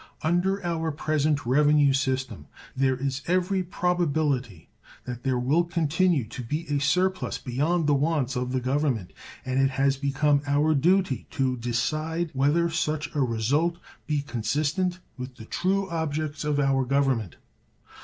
Under our present revenue system there is every probability that there will continue to be a surplus beyond the wants of the Government, and it has become our duty to decide whether such a result be consistent with the true objects of our Government.